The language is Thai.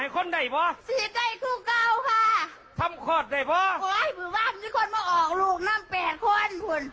ค่ะทำคอร์ดได้ป่ะโอ้ยคือว่ามีคนมาออกลูกนั่งแปดคนคุณ